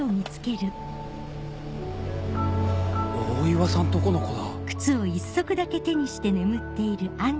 大岩さんとこの子だ。